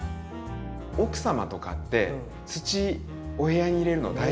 奥様とかって土お部屋に入れるの大丈夫？